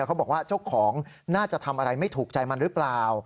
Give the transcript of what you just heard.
เขาบอกว่าเจ้าของน่าจะทำอะไรไม่ถูกใจมันหรือเปล่า